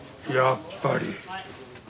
やっぱり。